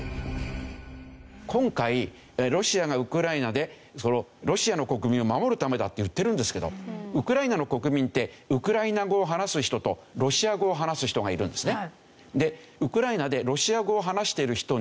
今回ロシアがウクライナでロシアの国民を守るためだって言ってるんですけどウクライナの国民ってウクライナ語を話す人とロシア語を話す人がいるんですね。